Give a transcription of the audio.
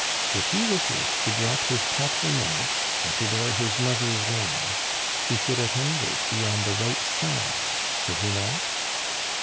"If he wishes to drop his patronymic and to bear his mother's name, he should at any rate be on the right side, should he not?"